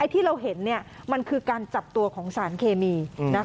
ที่เราเห็นมันคือการจับตัวของสารเคมี